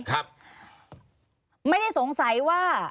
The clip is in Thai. ไม่ได้สงสัยว่า